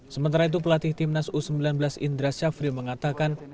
sementara itu pelatih timnas u sembilan belas indra syafril mengatakan